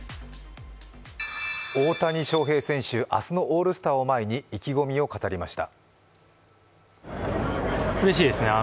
大谷翔平選手、明日のオールスターを前に意気込みを語りました。